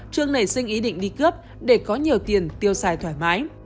trương nảy sinh ý định đi cướp để có nhiều tiền tiêu xài thoải mái